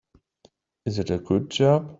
Is it a good job?